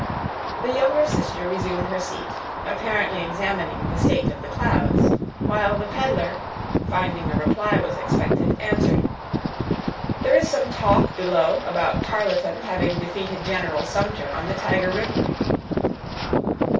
The younger sister resumed her seat, apparently examining the state of the clouds, while the peddler, finding a reply was expected, answered,— "There is some talk, below, about Tarleton having defeated General Sumter, on the Tiger River."